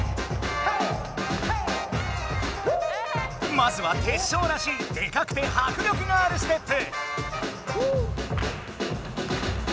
まずはテッショウらしいデカくて迫力のあるステップ！